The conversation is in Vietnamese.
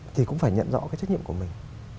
thì cũng phải nhận rõ cái trách nhiệm của mình